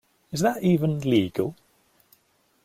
Is that even legal?